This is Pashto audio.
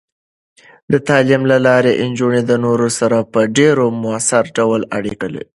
د تعلیم له لارې، نجونې د نورو سره په ډیر مؤثر ډول اړیکه نیسي.